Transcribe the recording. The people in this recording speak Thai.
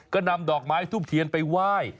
ก็นำดอกไม้ทูบเทียนไปไหว้